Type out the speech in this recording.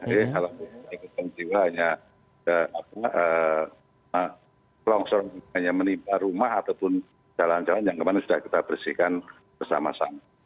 kalau ada korban jiwa hanya longsor hanya menimpa rumah ataupun jalan jalan yang kemana sudah kita bersihkan bersama sama